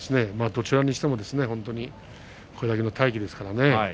どちらにしてもこれだけの大器ですからね。